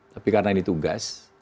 tapi karena ini tugas